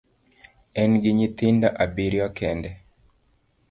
En gi nyithindo abiriyo kende